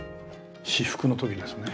至福の時ですね。